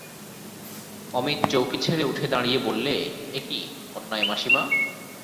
অমিত চৌকি ছেড়ে উঠে দাঁড়িয়ে বললে, এ কী অন্যায় মাসিমা।